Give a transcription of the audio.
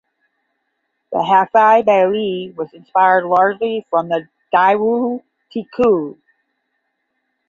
The Hafei Baili was inspired largely from the Daewoo Tico.